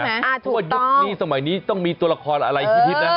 ใช่ไหมอ่าถูกต้องเพราะว่ายุคนี้สมัยนี้ต้องมีตัวละครอะไรคือทิศนะ